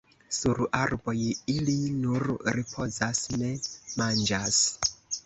Sur arboj ili nur ripozas, ne manĝas.